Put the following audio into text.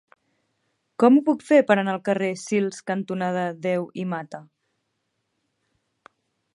Com ho puc fer per anar al carrer Sils cantonada Deu i Mata?